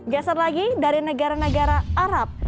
gesang lagi dari negara negara haram